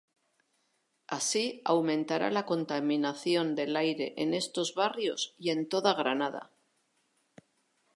así aumentará la contaminación del aire en estos barrios y en toda Granada.